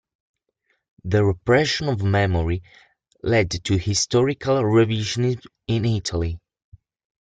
The repression of memory led to historical revisionism in Italy.